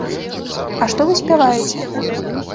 А што вы спяваеце?